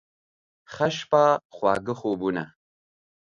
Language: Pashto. ښه شپه، خواږه خوبونه